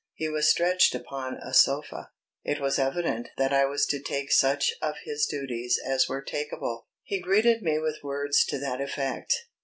He was stretched upon a sofa it was evident that I was to take such of his duties as were takeable. He greeted me with words to that effect.